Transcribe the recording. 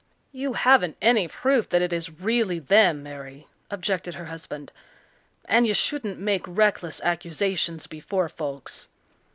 "You haven't any proof that it is really them, Mary," objected her husband, "and you shouldn't make reckless accusations before folks."